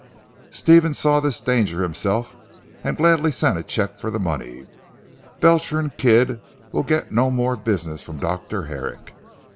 Stephen saw this danger himself, and gladly sent a cheque for the money. But Belcher and Kidd will get no more business from Dr. Herrick.